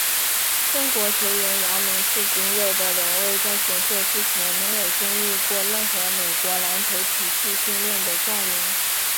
中国球员姚明是仅有的两位在选秀之前没有经历过任何美国篮球体系训练的状元。